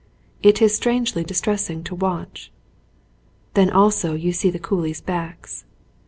It is strangely distressing to watch. Then also you see the coolies' backs.